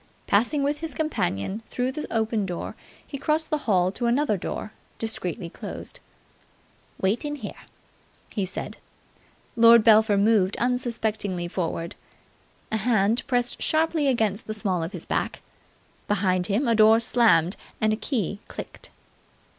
Passing with his companion through the open door, he crossed the hall to another door, discreetly closed. "Wait in here," he said. Lord Belpher moved unsuspectingly forward. A hand pressed sharply against the small of his back. Behind him a door slammed and a key clicked.